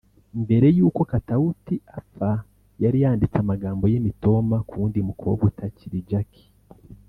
Mbere y’uko Katauti apfa yari yanditse amagambo y’imitoma ku wundi mukobwa utakiri Jacky